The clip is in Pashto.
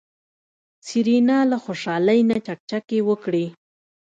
سېرېنا له خوشحالۍ نه چکچکې وکړې.